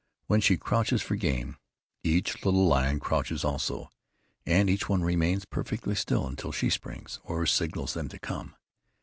When she crouches for game, each little lion crouches also, and each one remains perfectly still until she springs, or signals them to come.